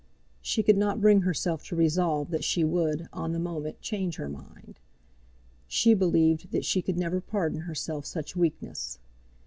She could not bring herself to resolve that she would, on the moment, change her mind. She believed that she could never pardon herself such weakness.